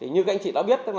như các anh chị đã biết